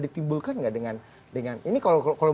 ditimbulkan nggak dengan ini kalau